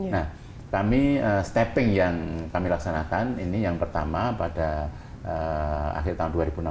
nah kami stepping yang kami laksanakan ini yang pertama pada akhir tahun dua ribu enam belas